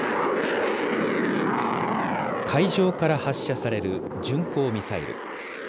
海上から発射される巡航ミサイル。